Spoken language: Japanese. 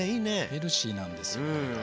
ヘルシーなんですよこれが。